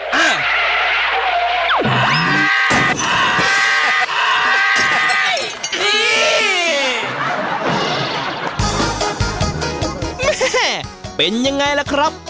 แหม่เป็นอย่างไรล่ะครับ